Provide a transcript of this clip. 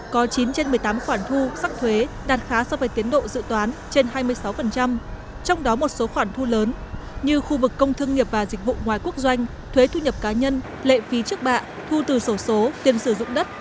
có chín trên một mươi tám khoản thu sắc thuế đạt khá so với tiến độ dự toán trên hai mươi sáu trong đó một số khoản thu lớn như khu vực công thương nghiệp và dịch vụ ngoài quốc doanh thuế thu nhập cá nhân lệ phí trước bạ thu từ sổ số tiền sử dụng đất